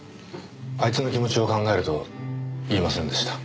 あいつの気持ちを考えると言えませんでした。